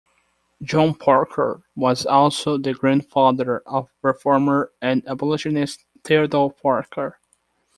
John Parker was also the grandfather of reformer and abolitionist Theodore Parker.